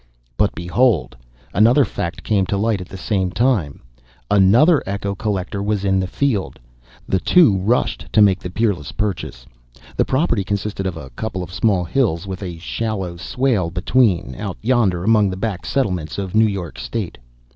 But behold, another fact came to light at the same time: another echo collector was in the field. The two rushed to make the peerless purchase. The property consisted of a couple of small hills with a shallow swale between, out yonder among the back settlements of New York State.